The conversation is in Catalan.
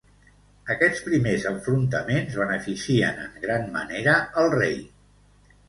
Aquests primers enfrontaments beneficien en gran manera al rei.